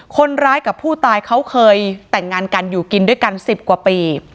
คนร้ายกับผู้ตายเขาเคยแต่งงานกันอยู่กินด้วยกัน๑๐กว่าปี